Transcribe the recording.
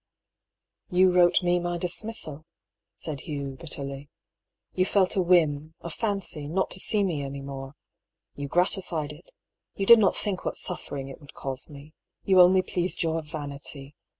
"*' You wrote me my dismissal," said Hugh, bitterly. " You felt a whim, a fancy, not to see me any more. You gratified it. You did not think what suffering it would cause me. You only pleased your vanity.